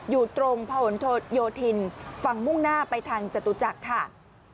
อยู่ตรงผนโยธินฝั่งมุ่งหน้าไปทางจตุจักรค่ะ